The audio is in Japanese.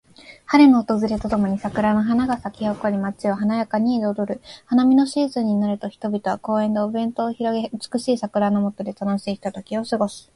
春の訪れとともに桜の花が咲き誇り、街を華やかに彩る。花見のシーズンになると、人々は公園でお弁当を広げ、美しい桜の下で楽しいひとときを過ごす。